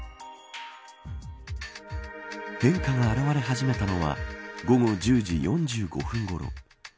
変化が表れ始めたのは午後１０時４５分ごろ。